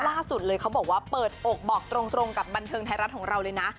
ล่าสุดเลยเขาบอกว่าเปิดอกบอกตรงกับบันเทิงไทยรัฐของเราเลยนะ